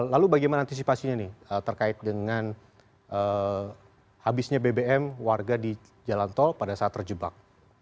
lalu bagaimana antisipasinya nih terkait dengan habisnya bbm warga di jalan tol pada saat terjebak